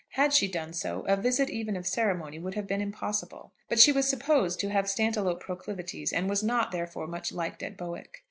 Had she done so, a visit even of ceremony would have been impossible. But she was supposed to have Stantiloup proclivities, and was not, therefore, much liked at Bowick.